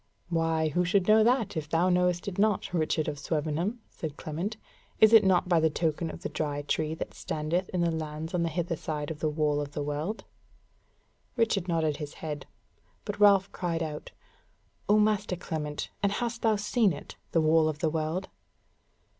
"Why, who should know that, if thou knowest it not, Richard of Swevenham?" said Clement: "Is it not by the token of the Dry Tree that standeth in the lands on the hither side of the Wall of the World?" Richard nodded his head; but Ralph cried out: "O Master Clement, and hast thou seen it, the Wall of the World?"